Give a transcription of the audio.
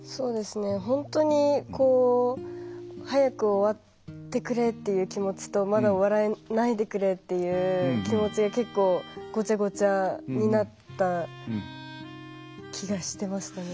本当に早く終わってくれっていう気持ちとまだ終わらないでくれっていう気持ちが結構、ごちゃごちゃになった気がしてましたね。